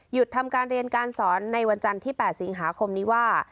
ทำการเรียนการสอนในวันจันทร์ที่๘สิงหาคมนี้ว่า